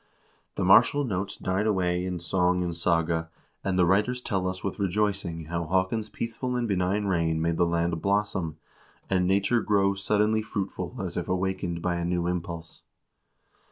The martial notes died away in song and saga, and the writers tell us with rejoicing how Haakon's peaceful and benign reign made the land blossom, and nature grow suddenly fruitful as if awakened by a new impulse.